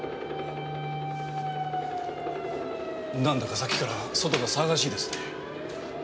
なんだかさっきから外が騒がしいですね。